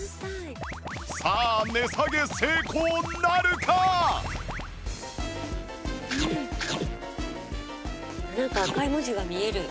さあ値下げ成功なるか！？なんか赤い文字が見える。